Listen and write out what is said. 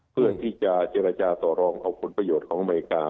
เพื่อที่จะเจรจาต่อรองเอาผลประโยชน์ของอเมริกา